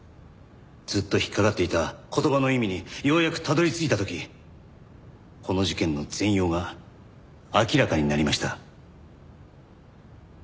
ずっと引っかかっていた言葉の意味にようやくたどり着いた時この事件の全容が明らかになりました。